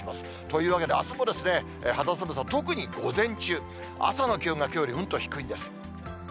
というわけであすも、肌寒さ、特に午前中、朝の気温がきょうよりうんと低いんです。